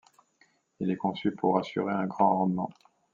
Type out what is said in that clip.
Il est conçu pour assurer un grand rendement.